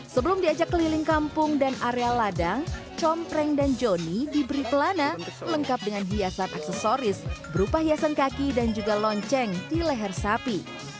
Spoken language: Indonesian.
sebelum diajak keliling kampung dan area ladang compreng dan joni diberi pelana lengkap dengan hiasan aksesoris berupa hiasan kaki dan juga lonceng di leher sapi